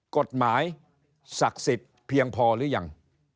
กฎหมายศักดิ์สิทธิ์เพียงพอหรือยัง